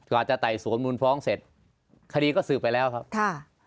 กว่าจะไต่สวนมูลฟ้องเสร็จคดีก็สืบไปแล้วครับค่ะ